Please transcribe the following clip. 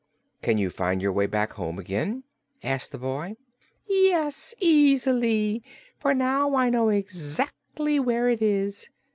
"Can you find your way back home again?" asked the boy. "Yes, easily; for now I know exactly where it is.